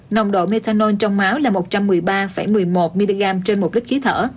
nồng độ methanol trong máu là một trăm một mươi ba một mươi một mg trên một lít khí thở